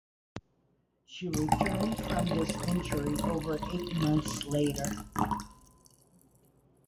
She returned from this injury over eight months later.